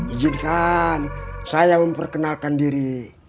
ijinkan saya memperkenalkan diri